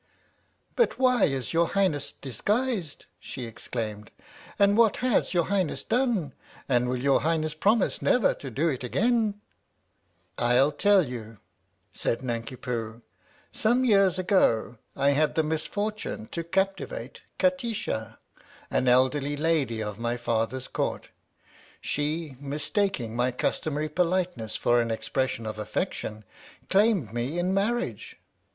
" But why is your Highness disguised ?" she ex claimed, "and what has your Highness done? And will your Highness promise never to do it again ?"" I'll tell you," said Nanki Poo. " Some years ago I had the misfortune to captivate Kati sha, an elderly lady of my father's Court. She, mistaking my custom ary politeness for an expression of affection, claimed me in marriage.